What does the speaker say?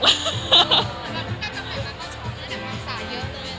นะครับทุกคนต้องเห็นมีวายตรงมาก